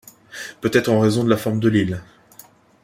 Peut-être en raison de la forme de l'île.